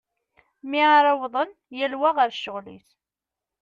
Mi ara wwḍen yal wa ɣer ccɣel-is.